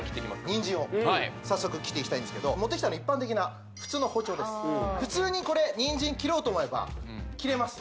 ニンジンを早速切っていきたいんですけど持ってきたの一般的な普通の包丁です普通にこれニンジン切ろうと思えば切れます